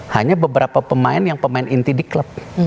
hanya beberapa pemain yang pemain inti di klub